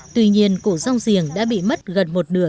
tuy nhiên cụ rong riêng đã bị mất gần một nửa